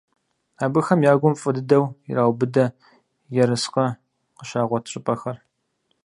Абыхэм я гум фӀы дыдэу ираубыдэ ерыскъы къыщагъуэт щӀыпӀэхэр.